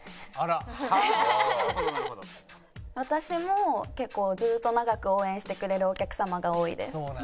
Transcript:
私も結構ずっと長く応援してくれるお客様が多いです。